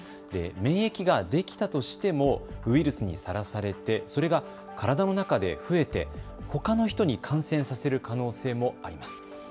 免疫ができたとしてもウイルスにさらされてそれが体の中で増えてほかの人に感染させる可能性もあります。